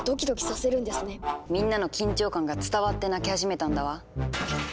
みんなの緊張感が伝わって鳴き始めたんだわ。